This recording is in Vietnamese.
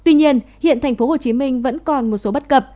tuy nhiên hiện tp hcm vẫn còn một số bất cập